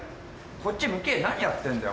こっち向け何やってんだよ？